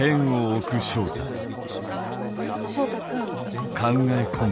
翔太君？